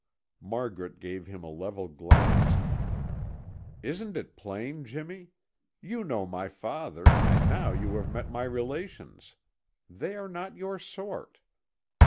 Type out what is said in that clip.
Margaret gave him a level glance. "Isn't it plain, Jimmy? You know my father, and now you have met my relations. They are not your sort."